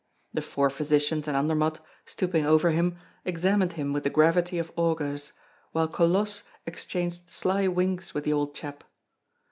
The four physicians and Andermatt, stooping over him, examined him with the gravity of augurs, while Colosse exchanged sly winks with the old chap.